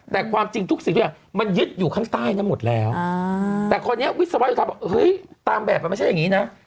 แต่ความจริงทุกสิ่งทุกอย่างมันยึดอยู่ข้างใต้นั้นหมดแล้วแต่คนนี้วิศวธรรมบอกเฮ้ยตามแบบมันไม่ใช่อย่างนี้นะ